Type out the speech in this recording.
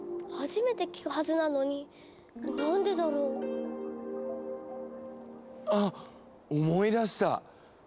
初めて聞くはずなのに何でだろう？あっ思い出した！